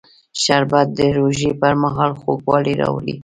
شربت د روژې پر مهال خوږوالی راولي